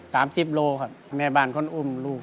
สามสิบโลครับแม่บ้านคนอุ้มลูก